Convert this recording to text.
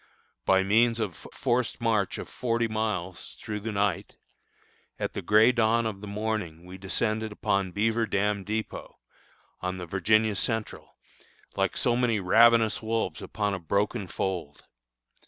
By means of a forced march of forty miles through the night, at the gray dawn of the morning we descended upon Beaver Dam dépôt, on the Virginia Central, like so many ravenous wolves upon a broken fold.